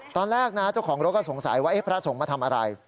ตอนแรกนะเจ้าของรถก็สงสัยว่าพระสงฆ์มาทำอะไร